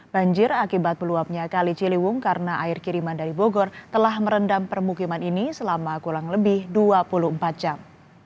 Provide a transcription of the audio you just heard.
banjir akibat meluapnya kali ciliwung karena air kiriman dari bogor telah merendam permukiman ini selama kurang lebih dua puluh empat jam